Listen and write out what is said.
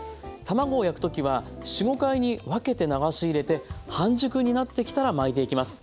卵を焼く時は４５回に分けて流し入れて半熟になってきたら巻いていきます。